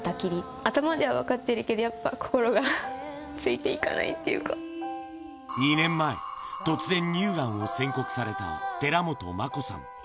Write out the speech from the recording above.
頭では分かっているけど、やっぱ２年前、突然乳がんを宣告された寺本真子さん。